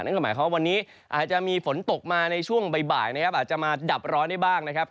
นั่นก็หมายความว่าวันนี้อาจจะมีฝนตกมาในช่วงบ่ายนะครับอาจจะมาดับร้อนได้บ้างนะครับ